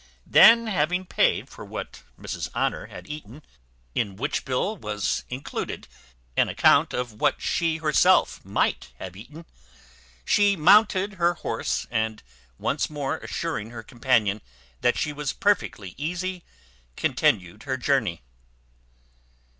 Then, having paid for what Mrs Honour had eaten, in which bill was included an account for what she herself might have eaten, she mounted her horse, and, once more assuring her companion that she was perfectly easy, continued her journey.